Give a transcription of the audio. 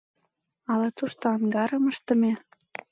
Ала тушто ангарым ыштыме?